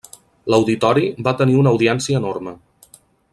L'auditori va tenir una audiència enorme.